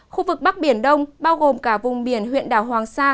khu vực bắc biển đông bao gồm cả vùng biển huyện đảo hoàng sa